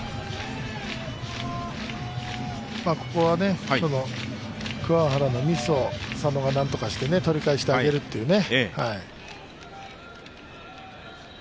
ここは桑原のミスを佐野がなんとかして取り返してあげるっていうね。